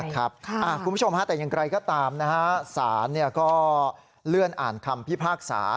คุณผู้ชมแต่ยังไกลก็ตามสารก็เลื่อนอ่านคำพิพากษา